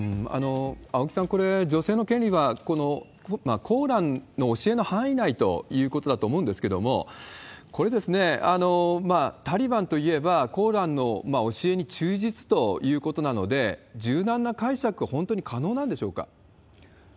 青木さん、女性の権利はコーランの教えの範囲内ということだと思うんですけれども、これ、タリバンといえば、コーランの教えに忠実ということなので、柔軟な解釈、本当に可能なんでしょうか。